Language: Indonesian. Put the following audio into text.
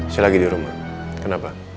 saya lagi di rumah kenapa